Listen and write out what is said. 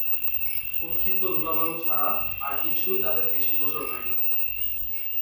উৎক্ষিপ্ত ধুলা-বালু ছাড়া আর কিছুই তাদের দৃষ্টিগোচর হয়নি।